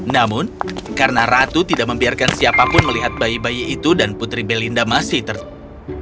namun karena ratu tidak membiarkan siapapun melihat bayi bayi itu dan putri belinda masih tertib